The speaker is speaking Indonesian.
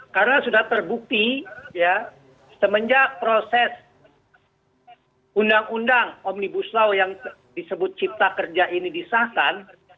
karena sudah terbukti ya semenjak proses undang undang omnibus law yang disebut cipta kerja ini disahkan